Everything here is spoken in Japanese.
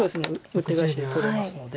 ウッテガエシで取れますので。